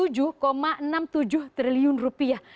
jadi dua ratus tujuh enam puluh tujuh triliun rupiah